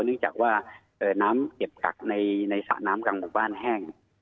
เนื่องจากว่าน้ำเก็บกักในสระน้ำกลางหมู่บ้านแห้ง